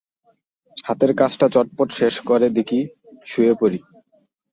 হাতের কাজটা চটপট শেষ করে দিকি, শুয়ে পড়ি।